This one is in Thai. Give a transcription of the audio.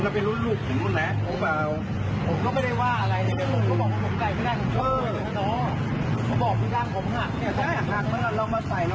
เพื่อสวดให้เกี่ยวกัน